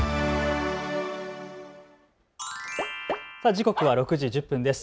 時刻は６時１０分です。